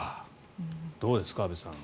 どうですか安部さん。